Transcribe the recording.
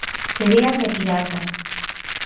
Sereas e Piratas.